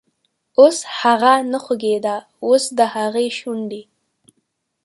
اوس هغه نه خوږیده، اوس دهغې شونډې،